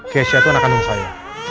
kiesya itu anak kandung saya